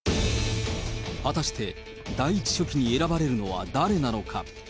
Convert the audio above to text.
果たして第１書記に選ばれるのは誰なのか。